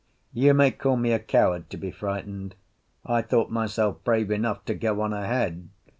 You may call me a coward to be frightened; I thought myself brave enough to go on ahead.